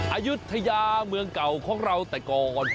อายุทยาเมืองเก่าของเราแต่ก่อน